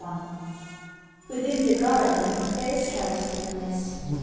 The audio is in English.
XXI Within the garden there is healthfulness.